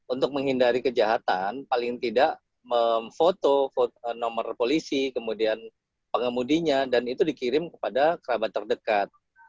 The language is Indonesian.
untuk menghindari kejahatan paling tidak memfoto nomor polisi kemudian pengemudinya dan itu dikirim kepada kerabat terdekat